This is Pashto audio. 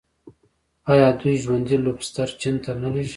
آیا دوی ژوندي لوبسټر چین ته نه لیږي؟